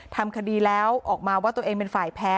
ทำคดีแล้วออกมาว่าตัวเองเป็นฝ่ายแพ้